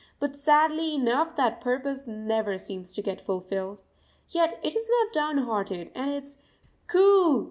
But, sadly enough, that purpose never seems to get fulfilled. Yet it is not down hearted, and its Coo oo!